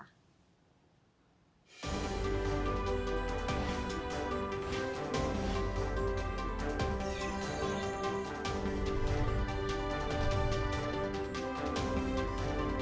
terima kasih pak mirza